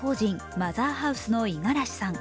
マザーハウスの五十嵐さん